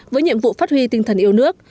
với nhiệm vụ phát huy tinh thần yêu nước